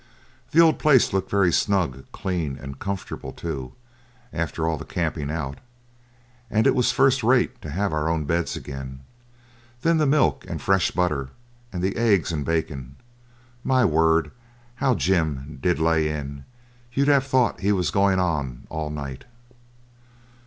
The old place looked very snug, clean, and comfortable, too, after all the camping out, and it was first rate to have our own beds again. Then the milk and fresh butter, and the eggs and bacon my word! how Jim did lay in; you'd have thought he was goin' on all night.